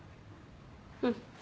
うん。